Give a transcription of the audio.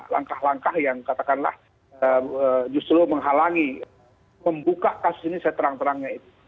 langkah langkah yang katakanlah justru menghalangi membuka kasus ini seterang terangnya itu